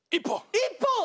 １本！？